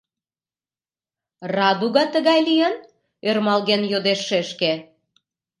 — Радуга тыгай лийын? — ӧрмалген йодеш шешке.